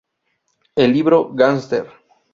El libro "Gangster.